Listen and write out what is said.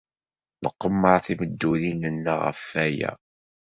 Nqemmer timeddurin-nneɣ ɣef waya.